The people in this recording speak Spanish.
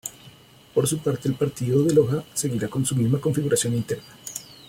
Por su parte el partido de Loja seguirá con su misma configuración interna.